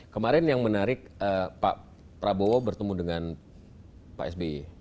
kemarin yang menarik pak prabowo bertemu dengan pak sby